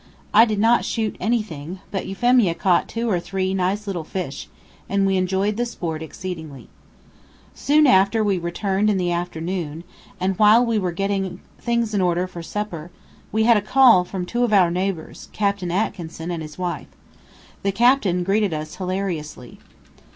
I did not shoot anything, but Euphemia caught two or three nice little fish, and we enjoyed the sport exceedingly. Soon after we returned in the afternoon, and while we were getting things in order for supper, we had a call from two of our neighbors, Captain Atkinson and wife. The captain greeted us hilariously.